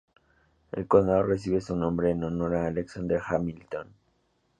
El condado recibe su nombre en honor a Alexander Hamilton.